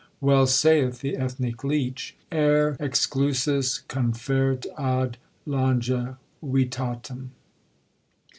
Well saith the ethnic leach, 'Aer exclusus confert ad longevitatem.'